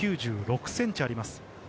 １９６ｃｍあります。